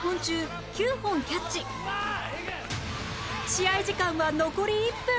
試合時間は残り１分